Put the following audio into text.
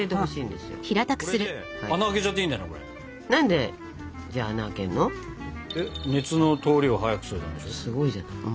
すごいじゃない。